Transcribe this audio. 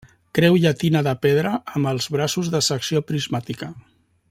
Creu llatina de pedra amb els braços de secció prismàtica.